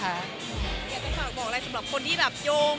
อยากจะฝากบอกอะไรสำหรับคนที่แบบโยง